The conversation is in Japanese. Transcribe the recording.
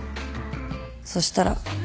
そしたら